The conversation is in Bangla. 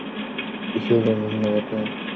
ঈশ্বরকে ধন্যবাদ যে ও আমাদের সাথে আছে!